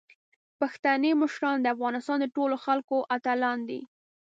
پښتني مشران د افغانستان د ټولو خلکو اتلان دي.